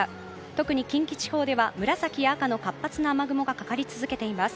特に近畿地方では紫、赤の活発な雨雲がかかり続けています。